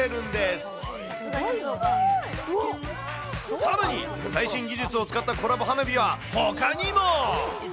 さらに、最新技術を使ったコラボ花火はほかにも。